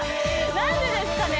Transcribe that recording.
なんでですかね？